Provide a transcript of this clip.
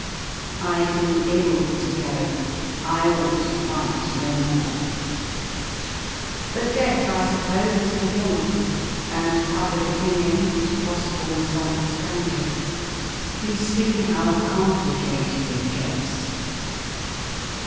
I do ill to go. I ought to fight no more. But death, I V suppose, is the penalty, and public opinion and possible ^ misunder^anding. .. You see how complicated it gets.